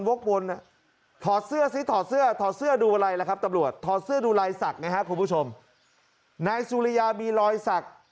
วกวนถอดเสื้อถอดเสื้อถอดเสื้อรอยสักนะฮะคุณผู้ชมนายสุริยามีรอยสัก